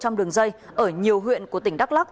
trong đường dây ở nhiều huyện của tỉnh đắk lắc